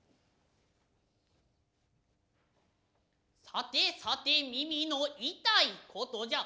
さてさて耳の痛い事じゃ。